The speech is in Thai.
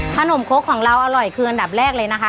ขนมคกของเราอร่อยคืออันดับแรกเลยนะคะ